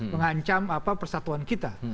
mengancam persatuan kita